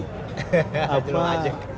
hahaha belum ajeg